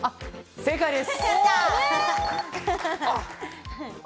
正解です！